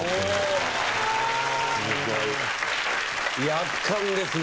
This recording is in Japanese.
圧巻ですね。